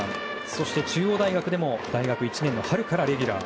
そして、中央大学でも大学１年の春からレギュラー。